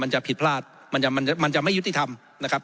มันจะผิดพลาดมันจะไม่ยุติธรรมนะครับ